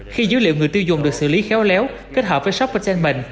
khi dữ liệu người tiêu dùng được xử lý khéo léo kết hợp với shoppertainment